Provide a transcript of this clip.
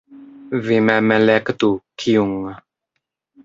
Vi mem elektu, kiun.